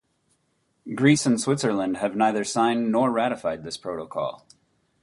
Greece and Switzerland have neither signed nor ratified this protocol.